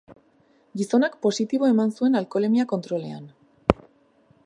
Gizonak positibo eman zuen alkoholemia kontrolean.